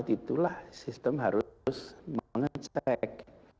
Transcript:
itulah sistem harus mengecek